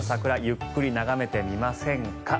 ゆっくり眺めてみませんか。